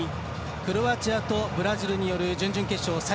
クロアチアとブラジルによる準々決勝。